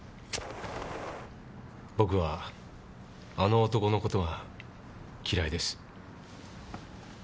僕はあの男の事が嫌いです。